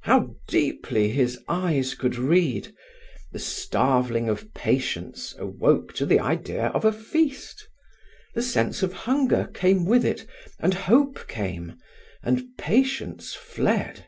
How deeply his eyes could read! The starveling of patience awoke to the idea of a feast. The sense of hunger came with it, and hope came, and patience fled.